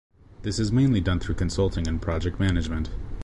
This is mainly done through consulting and project management.